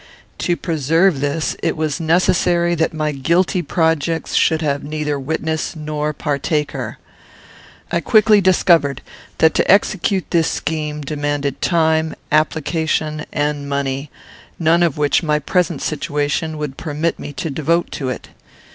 To preserve this, it was necessary that my guilty projects should have neither witness nor partaker. "I quickly discovered that to execute this scheme demanded time, application, and money, none of which my present situation would permit me to devote to it.